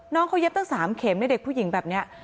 น้องเขาเย็บตั้ง๓เข็มในเด็กผู้หญิงแบบนี้